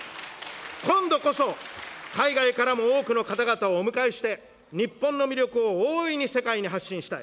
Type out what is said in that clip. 今度こそ、海外からも多くの方々をお迎えして、日本の魅力を大いに世界に発信したい。